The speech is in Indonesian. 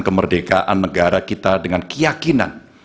kemerdekaan negara kita dengan keyakinan